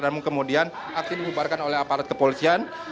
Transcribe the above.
namun kemudian aksi dibubarkan oleh aparat kepolisian